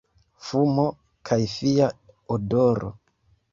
Fumo kaj fia odoro.